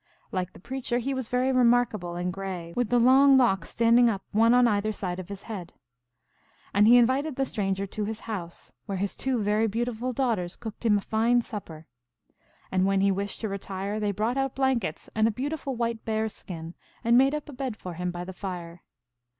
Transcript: Like the preacher, he was very remarkable and gray, with the long locks standing up one on either side of his head. And he invited the stranger to his house, where his two very beautiful daughters cooked him a fine sup per. And when he wished to retire they brought out blankets and a beautiful white bear s skin, and made up a bed for him by the fire.